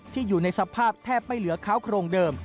อยู่ในสภาพแทบไม่เหลือค้าวโครงเดิม